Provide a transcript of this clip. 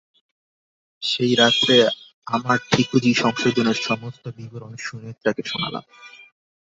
সেই রাত্রে আমার ঠিকুজি সংশোধনের সমস্ত বিবরণ সুনেত্রাকে শোনালাম।